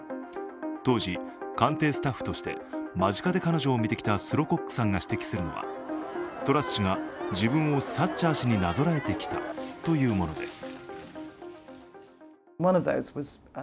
当時、官邸スタッフとして間近で彼女を見てきたスロコックさんが指摘するのはトラス氏が自分をサッチャー氏になぞらえてきたというものです。